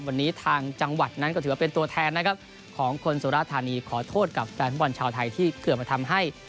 วันนี้ทางจังหวัดนั้นก็ถือว่าเป็นตัวแทนนะครับของคนสุราธานีขอโทษกับแฟนฟุตบอลชาวไทยที่เกือบมาทำให้